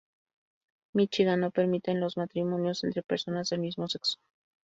Michigan no permiten los matrimonios entre personas del mismo sexo.